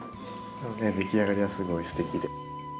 でもね出来上がりがすごいすてきで。